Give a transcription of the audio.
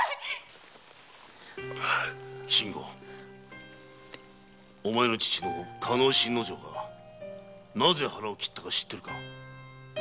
信吾お前の父・加納信之丞がなぜ腹を切ったか知っているか？